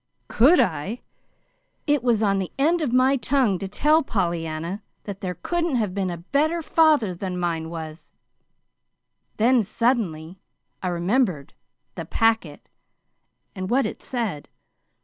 "COULD I! It was on the end of my tongue to tell Pollyanna that there couldn't have been a better father than mine was; then, suddenly, I remembered the packet, and what it said.